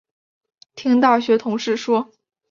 听大学同事说